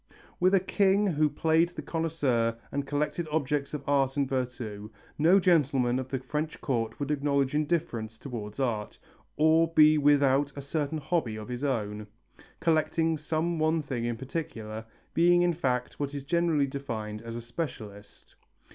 With a king who played the connoisseur and collected objects of art and virtu, no gentleman of the French court would acknowledge indifference towards art, or be without a certain hobby of his own, collecting some one thing in particular, being in fact what is generally defined as a specialist.